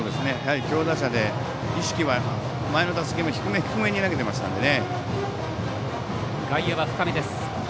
強打者で意識は前の打席よりも低め低めに投げていましたのでね。